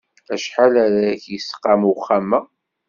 Acḥal ara k-d-isqam uxxam-a?